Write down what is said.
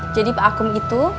bapak suka demi apa